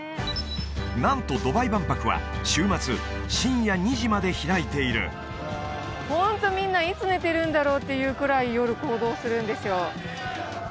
なんとドバイ万博は週末深夜２時まで開いているホントみんないつ寝てるんだろう？っていうくらい夜行動するんですよ